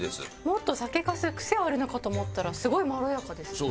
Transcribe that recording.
もっと酒粕癖あるのかと思ったらすごいまろやかですね。